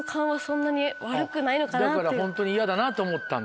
ホントに嫌だなと思ったんだ